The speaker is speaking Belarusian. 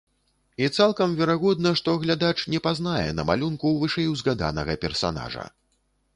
І цалкам верагодна, што глядач не пазнае на малюнку вышэй узгаданага персанажа.